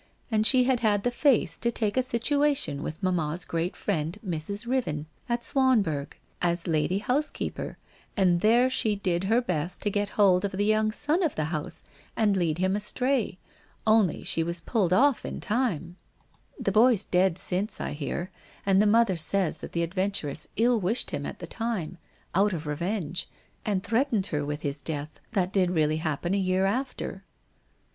And she had had the face to take a situation with mamma's great friend, Mrs. Riven, at Swanborgh, as lady housekeeper, and there she did her best to get hold of the young son of the house and lead him astray, only she was pulled off in time. 396 WHITE ROSE OF WEARY LEAF The boy's dead since, I hear, and the mother says that the adventuress ill wished him at the time, out of revenge, and threatened her with his death, that did really happen a year after.'